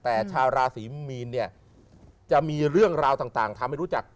แต่ชาวราศีมีนเนี่ยจะมีเรื่องราวต่างทำให้รู้จัก